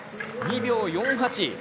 ２秒４８。